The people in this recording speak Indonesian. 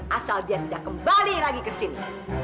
asal dia tidak kembali lagi kesini